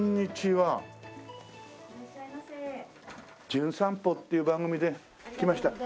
『じゅん散歩』っていう番組で来ました